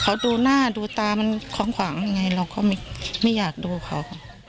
เขาดูหน้าดูตามันของขวางยังไงเราก็ไม่อยากดูเขา